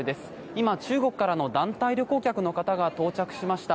今、中国からの団体旅行客の方が到着しました。